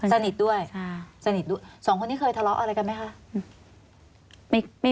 สนิทด้วยสนิทด้วยสองคนนี้เคยทะเลาะอะไรกันไหมคะ